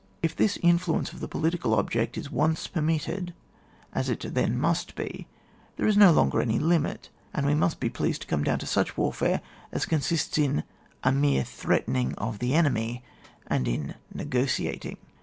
If this influence of the political object is once permitted, as it then must be, there is no longer any limit, and we must be pleased to come down to such warfare as consists in a fner$ threatening of tki enemy and in negotiating.